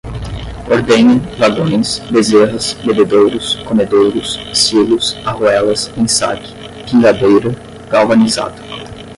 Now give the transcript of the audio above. ordenha, vagões, bezerras, bebedouros, comedouros, silos, arruelas, ensaque, pingadeira, galvanizado